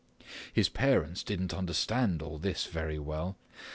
His parents did not understand all this very well.